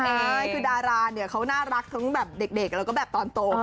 ใช่คือดาราเนี่ยเขาน่ารักทั้งแบบเด็กแล้วก็แบบตอนโต